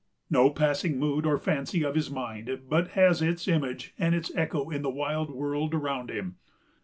No passing mood or fancy of his mind but has its image and its echo in the wild world around him.